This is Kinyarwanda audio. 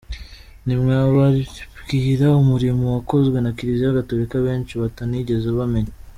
Ntimwababwira umurimo wakozwe na Kiliziya Gatolika benshi batanigeze bamenya?”